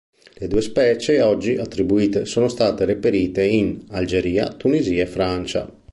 Le due specie oggi attribuite sono state reperite in Algeria, Tunisia e Francia.